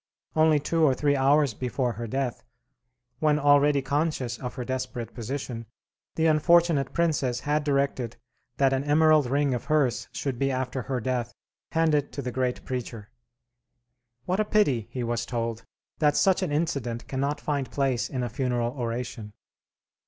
Only two or three hours before her death, when already conscious of her desperate position, the unfortunate princess had directed that an emerald ring of hers should be after her death handed to the great preacher. "What a pity," he was told, "that such an incident cannot find place in a funeral oration!"